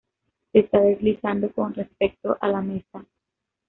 Se está deslizando con respecto a la mesa.